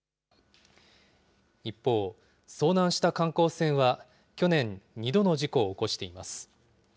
一方、遭難した観光船は去年、２度の事故を起こしています。